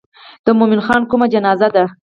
د مومن خان کومه جنازه ده.